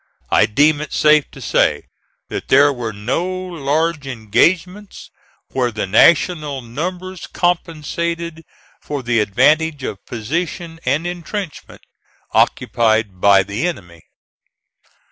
I deem it safe to say that there were no large engagements where the National numbers compensated for the advantage of position and intrenchment occupied by the enemy.